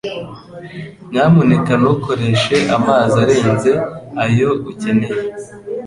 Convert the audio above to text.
Nyamuneka ntukoreshe amazi arenze ayo ukeneye